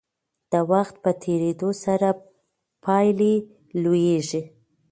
د وخت په تیریدو سره پایلې لویېږي.